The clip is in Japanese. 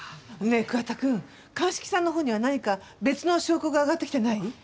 ねえ桑田くん鑑識さんのほうには何か別の証拠が上がってきてない？